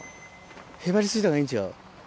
へばりついたほうがいいんちゃう？